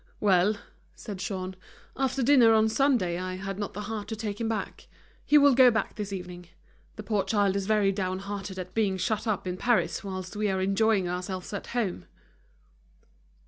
"Well," said Jean, "after dinner on Sunday I had not the heart to take him back. He will go back this evening. The poor child is very downhearted at being shut up in Paris whilst we are enjoying ourselves at home."